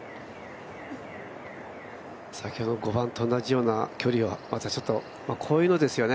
先ほどの５番と同じような距離を、またちょっと、こういうのですよね